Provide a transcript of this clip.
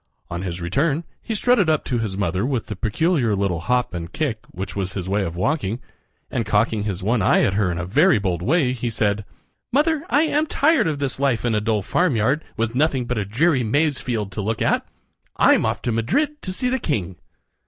On his return he strutted up to his mother with the peculiar little hop and kick which was his way of walking, and cocking his one eye at her in a very bold way, he said: "Mother, I am tired of this life in a dull f farmyard, with nothing but a dreary maize field to look at. I'm off to Madrid to see the king."